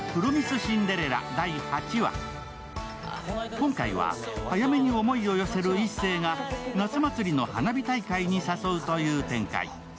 今回は早梅に思いを寄せる壱成が夏祭りの花火大会に誘うという展開。